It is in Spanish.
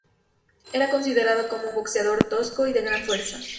Era considerado como un boxeador tosco y de gran fuerza.